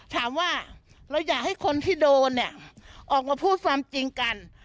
ถามว่าเราอยากให้คนที่โดนเนี่ยออกมาพูดความจริงกัน